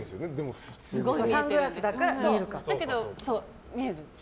サングラスだから見える。